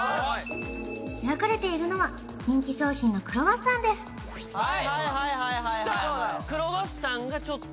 描かれているのは人気商品のクロワッサンですはいきた！